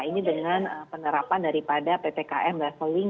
ini dengan penerapan daripada ppkm leveling